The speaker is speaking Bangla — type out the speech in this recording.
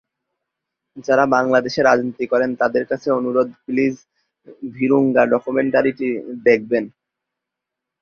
যাঁরা বাংলাদেশে রাজনীতি করেন, তাঁদের কাছে অনুরোধ, প্লিজ, ভিরুঙ্গা ডকুমেন্টারিটি দেখবেন।